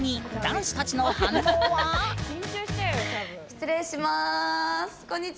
失礼します。